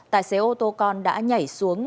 tài xế ô tô con đã nhảy xuống